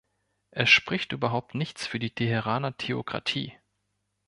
Es spricht überhaupt nichts für die Teheraner Theokratie.